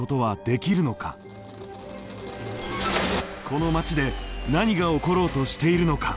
この町で何が起ころうとしているのか。